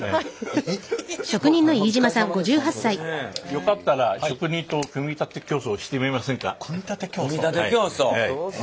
よかったら職人と組み立て競争してみませんか？